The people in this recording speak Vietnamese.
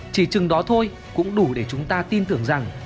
chỉ chừng đó thôi cũng đủ để chúng ta tin tưởng rằng